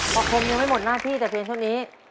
คมยังไม่หมดหน้าที่แต่เพียงเท่านี้